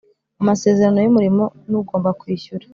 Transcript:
Amasezerano y umurimo n ugomba kwishyura